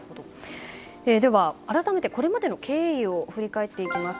では、改めてこれまでの経緯を振り返っていきます。